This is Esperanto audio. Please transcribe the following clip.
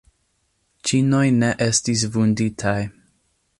Ĉinoj ne estis vunditaj.